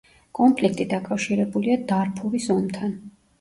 კონფლიქტი დაკავშირებულია დარფურის ომთან.